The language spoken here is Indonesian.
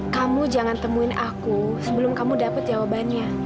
kamu jangan temuin aku sebelum kamu dapat jawabannya